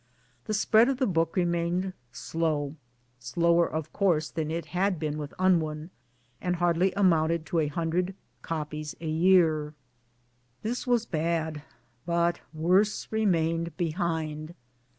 The spread of the book remained slow slower of course than it had been with Unwin, and hardly amounted to a hundred copies a year. This was bad ; but worse remained behind.